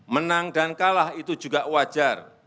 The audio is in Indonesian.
menang dan kalah itu juga wajar